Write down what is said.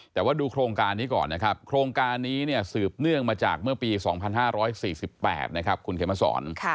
แต่ว่าดูโครงการนี้ก่อนนะครับโครงการนี้เนี่ยสืบเนื่องมาจากเมื่อปี๒๕๔๘นะครับคุณเขมสอน